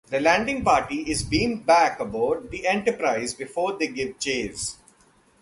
The landing party is beamed back aboard the "Enterprise" before they give chase.